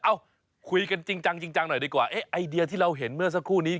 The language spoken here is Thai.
เอ้าคุยกันจริงจังจริงจังหน่อยดีกว่าเอ๊ะไอเดียที่เราเห็นเมื่อสักครู่นี้